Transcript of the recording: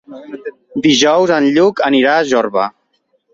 Dijous en Lluc anirà a Jorba.